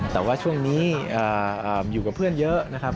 แต่ว่าช่วงนี้อยู่กับเพื่อนเยอะนะครับ